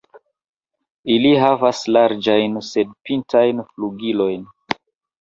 Ili havas larĝajn sed pintajn flugilojn.